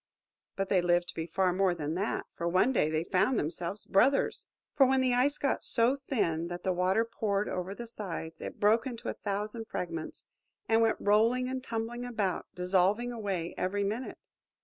But they lived to be far more than that, for one day they found themselves brothers! For when the Ice got so thin that the water poured over the sides, it broke into a thousand fragments, and went rolling and tumbling about, dissolving away every minute.